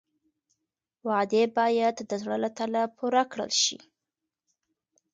وعدې باید د زړه له تله پوره کړل شي.